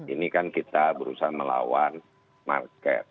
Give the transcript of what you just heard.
ini kan kita berusaha melawan market